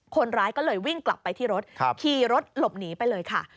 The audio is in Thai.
คนร้ายก็เลยวิ่งกลับไปที่รถขี่รถหลบหนีไปเลยค่ะ